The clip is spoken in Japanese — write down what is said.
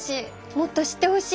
もっと知ってほしい。